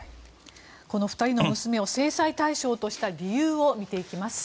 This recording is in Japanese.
この２人の娘を制裁対象とした理由を見ていきます。